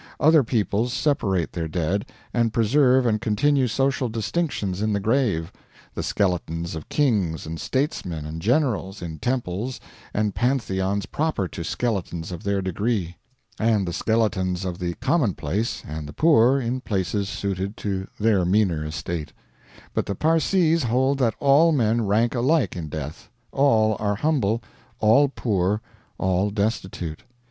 Other peoples separate their dead, and preserve and continue social distinctions in the grave the skeletons of kings and statesmen and generals in temples and pantheons proper to skeletons of their degree, and the skeletons of the commonplace and the poor in places suited to their meaner estate; but the Parsees hold that all men rank alike in death all are humble, all poor, all destitute.